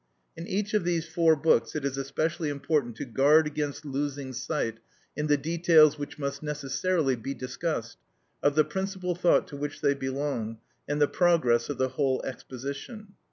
In each of these four books it is especially important to guard against losing sight, in the details which must necessarily be discussed, of the principal thought to which they belong, and the progress of the whole exposition.